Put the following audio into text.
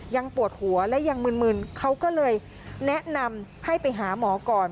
ยังปวดหัวและยังมึนเขาก็เลยแนะนำให้ไปหาหมอก่อน